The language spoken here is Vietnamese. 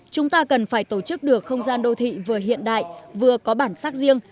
chúng ta cần phải tổ chức được không gian đô thị vừa hiện đại vừa có bản sắc riêng